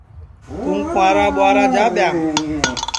توں کِنٚوارا ٻُورا جا ٻیاںٚم